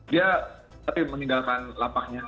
dia tadi meninggalkan lapaknya